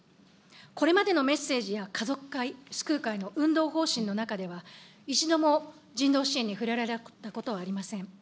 これまでのメッセージや家族会・救う会の運動方針の中では、一度も人道支援に触れられたことはありません。